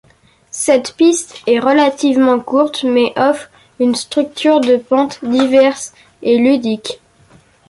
Cette piste est relativement courte mais offre une structure de pente diverse et ludique.